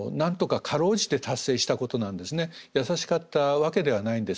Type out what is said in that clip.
やさしかったわけではないんです。